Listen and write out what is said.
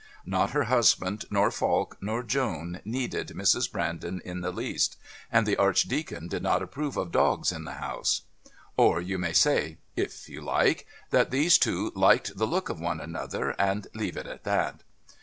Not her husband nor Falk nor Joan needed Mrs. Brandon in the least and the Archdeacon did not approve of dogs in the house. Or you may say, if you like, that these two liked the look of one another, and leave it at that.